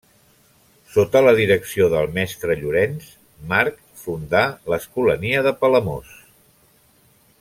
Sota la direcció del mestre Llorenç March fundà l'Escolania de Palamós.